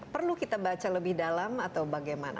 perlu kita baca lebih dalam atau bagaimana